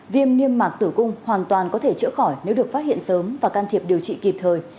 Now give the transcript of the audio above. viêm niêm mạc tử cung hoàn toàn có thể chữa khỏi nếu được phát hiện sớm và can thiệp điều trị kịp thời